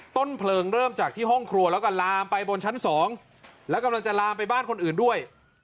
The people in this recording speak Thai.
ต้นเพลิงเริ่มจากที่ห้องครัวแล้วก็ลามไปบนชั้นสองแล้วกำลังจะลามไปบ้านคนอื่นด้วย